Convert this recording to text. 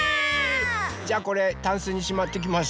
じゃあこれタンスにしまってきます。